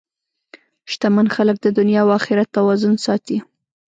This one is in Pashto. شتمن خلک د دنیا او اخرت توازن ساتي.